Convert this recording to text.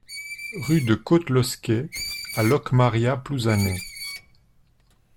Rue de Coat Losquet à Locmaria-Plouzané